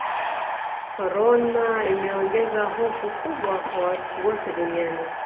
korona imeogeza hofu kubwa kwa watu wote duniani